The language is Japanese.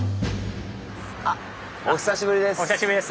あっお久しぶりです。